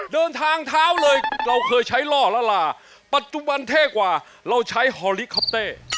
เดินทางเท้าเลยเราเคยใช้ล่อละลาปัจจุบันเท่กว่าเราใช้ฮอลิคอปเตอร์